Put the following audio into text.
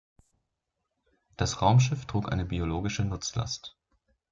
Das Raumschiff trug eine biologische Nutzlast.